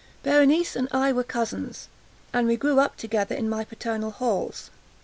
Berenice and I were cousins, and we grew up together in my paternal halls.